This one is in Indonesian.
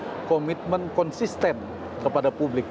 harus dikirim komitmen konsisten kepada publik